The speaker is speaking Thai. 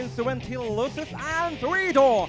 สวัสดีครับ